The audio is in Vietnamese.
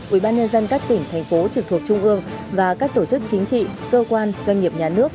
ubnd các tỉnh thành phố trực thuộc trung ương và các tổ chức chính trị cơ quan doanh nghiệp nhà nước